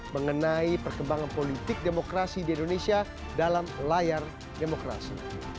mengenai perkembangan politik demokrasi di indonesia dalam layar demokrasi